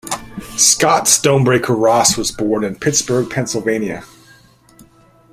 Scott Stonebreaker Ross was born in Pittsburgh, Pennsylvania.